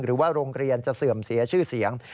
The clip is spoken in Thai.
หรือว่าโรงเรียนจะเสื่อมเสียชื่อเสียง